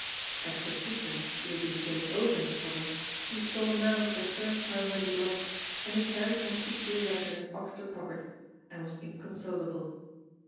As for Peter, who had been getting over his trouble, he saw now for the first time what he had lost, and he carried Betsy's dear letter in his oxter pocket and was inconsolable.